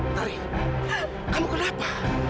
tari kamu kelapa